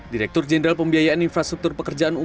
direktur jenderal pembiayaan infrastruktur pekerjaan umum